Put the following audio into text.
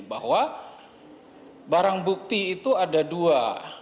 bahwa barang bukti itu ada dua